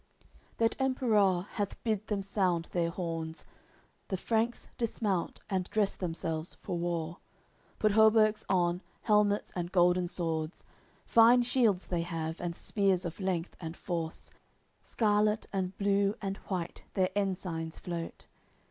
CXXVI That Emperour hath bid them sound their horns. The Franks dismount, and dress themselves for war, Put hauberks on, helmets and golden swords; Fine shields they have, and spears of length and force Scarlat and blue and white their ensigns float.